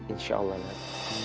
insya allah lam